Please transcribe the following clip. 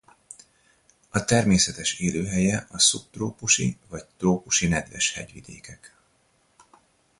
A természetes élőhelye a szubtrópusi vagy trópusi nedves hegyvidékek.